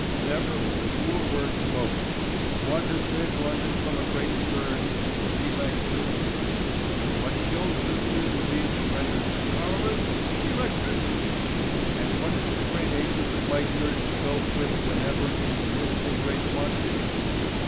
Never was a truer word spoken. What has saved London from a great scourge? Electricity. What kills this new disease and renders it powerless? Electricity. And what is the great agent to fight dirt and filth with whenever it exists in great quantities?